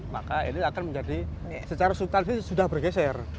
maka ini akan menjadi secara substansi sudah bergeser